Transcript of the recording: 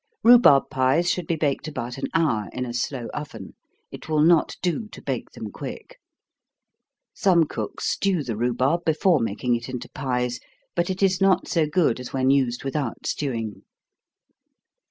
Rhubarb pies should be baked about an hour, in a slow oven it will not do to bake them quick. Some cooks stew the rhubarb before making it into pies, but it is not so good as when used without stewing.